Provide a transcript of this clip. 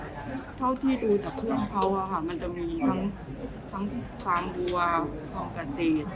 อืมเท่าที่ดูจากภูมิของเขาอะค่ะมันจะมีทั้งทั้งฟาร์มอุวาวทางกาเศษ